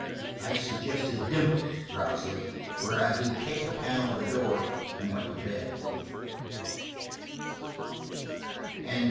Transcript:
I suggested "dimple" drowsily whereat he kicked the panel of the door and went to bed.